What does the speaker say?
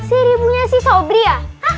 seribunya si sobri ya